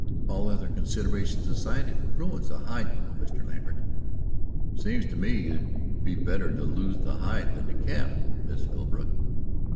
All other considerations aside, it ruins a hide, you know, Mr. Lambert." "It seems to me you'd better lose the hide than the calf, Miss Philbrook."